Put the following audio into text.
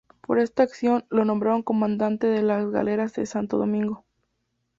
Por esta acción lo nombraron comandante de las galeras de Santo Domingo.